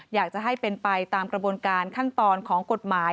อยากจะให้เป็นไปตามกระบวนการขั้นตอนของกฎหมาย